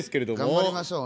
頑張りましょう。